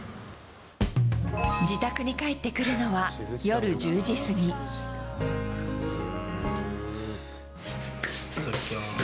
自宅に帰ってくるのは夜１０いただきます。